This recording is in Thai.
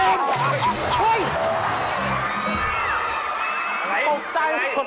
อะไรตกใจ